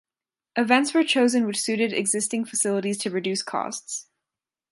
Events were chosen which suited existing facilities to reduce costs.